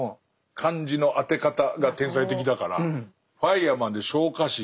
漢字の当て方が天才的だからファイアマンで「昇火士」。